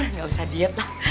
nggak usah diet lah